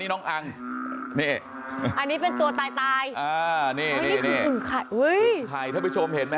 นี่อันนี้เป็นตัวตายตายอันนี้คืออึงไข่